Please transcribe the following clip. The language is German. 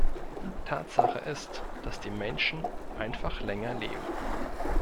Tatsache ist, dass die Menschen einfach länger leben.